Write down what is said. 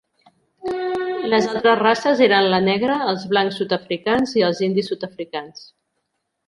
Les altres races eren la negra, els blancs sud-africans i els indis sud-africans.